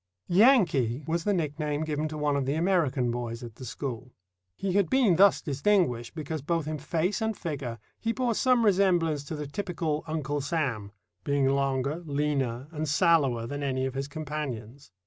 "Yankee" was the nickname given to one of the American boys at the school. He had been thus distinguished because both in face and figure he bore some resemblance to the typical Uncle Sam, being longer, leaner, and sallower than any of his companions.